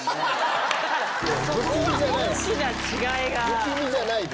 不気味じゃないです。